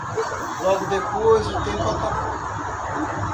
Logo depois o tempo acabou.